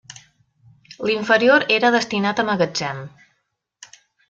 L’inferior era destinat a magatzem.